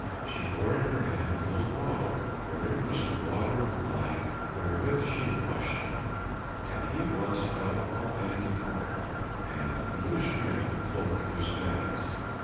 She bore in her hand a little bottle wherein was the water of life wherewith she washed him, and he at once felt all pain depart and new strength flow through his veins.